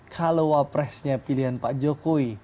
kalau wapresnya pilihan pak jokowi